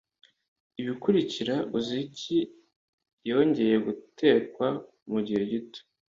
Ibikurikira, azuki yongeye gutekwa mugihe gito